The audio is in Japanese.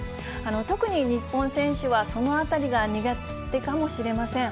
特に日本選手はそのあたりが苦手かもしれません。